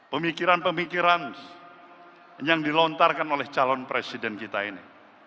pemikiran pemikiran yang dilontarkan oleh calon presiden kita ini